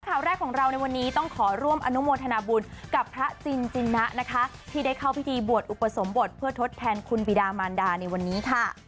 ข่าวแรกของเราในวันนี้ต้องขอร่วมอนุโมทนาบุญกับพระจินจินนะนะคะที่ได้เข้าพิธีบวชอุปสมบทเพื่อทดแทนคุณบิดามานดาในวันนี้ค่ะ